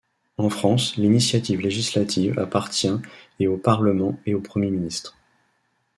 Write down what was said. En France l'initiative législative appartient et au parlement et au premier ministre.